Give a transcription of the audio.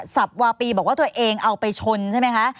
สับวาปีบอกว่าตัวเองเอาไปชนใช่ไหมคะ